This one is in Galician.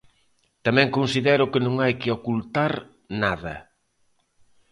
Tamén considero que non hai que ocultar nada.